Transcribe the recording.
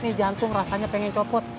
ini jantung rasanya pengen copot